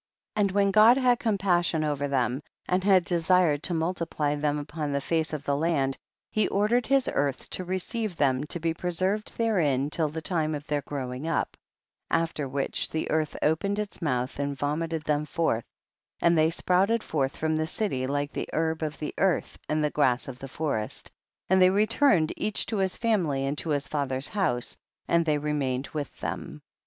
56. And when God had compas sion over ihem and had desired to multiply them upon the face of the land, he ordered his earth to receive them to be preserved therein till the time of their growing up, after whicii the earth opened its mouth and vomited them forth andt they sprout ed forth from the city like ihe herb of the earth and tiie grass of the forest, and they returned each to his family and to his father's house, and they remained with them.